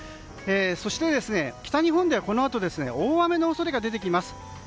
そして、北日本ではこのあと大雨の恐れが出てきます。